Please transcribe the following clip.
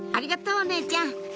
お姉ちゃん